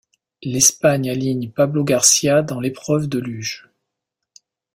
L'Espagne aligne Pablo García dans l'épreuve de luge.